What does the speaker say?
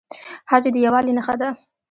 حج د یووالي نښه ده